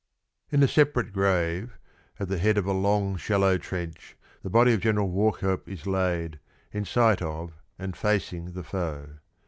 In a separate grave, at the head of a long, shallow trench, the body of General Wauchope is laid, in sight of and facing the foe.